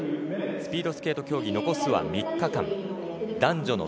スピードスケート競技残すは３日間。